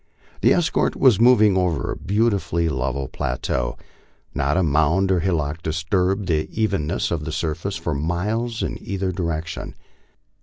The escort was moving over a beautifully level plateau. Not a mound or hillock disturbed the evenness of the surface for miles in either direction.